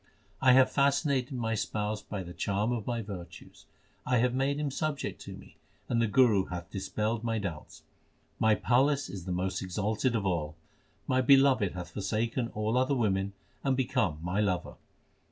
I have fascinated my Spouse by the charm of my virtues : I have made Him subject to me and the Guru hath dis pelled my doubts. My palace is the most exalted of all. My Beloved hath forsaken all other women and become my lover.